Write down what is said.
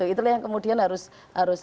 itu yang kemudian harus dilakukan evaluasi